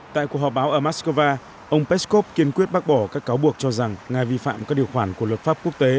tại cuộc họp báo ở moscow ông peskov kiên quyết bác bỏ các cáo buộc cho rằng nga vi phạm các điều khoản của luật pháp quốc tế